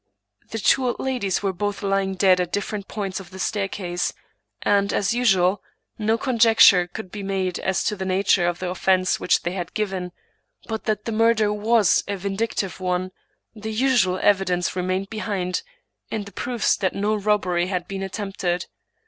The two old ladies were both lying dead at differ ent points on the staircase, and, as usual, no conjecture couldi m English Mystery Stories be made &§ to the nature of the offense which they had given ; but that the murder was a vindictive one, the usual •evidence remained behind, in the proofs that no robbery had been attempted.